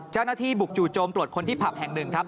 เจ้าหน้าที่บุกจู่โจมตรวจคนที่ผับแห่งหนึ่งครับ